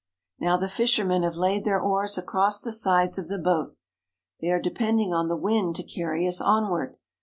Now the fishermen have laid their oars across the sides of the boat. They are depending on the wind to carry us onward.